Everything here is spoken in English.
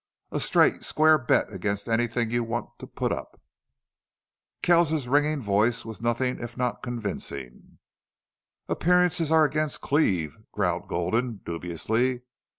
"A straight, square bet against anything you want to put up!" Kells's ringing voice was nothing if not convincing. "Appearances are against Cleve," growled Gulden, dubiously.